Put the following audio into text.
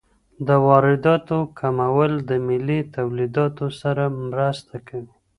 د وارداتو کمول د ملي تولیداتو سره مرسته کوي.